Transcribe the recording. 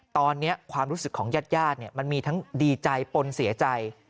ตอนนี้ความรู้สึกของญาติมันมีทั้งดีใจปนเสียใจ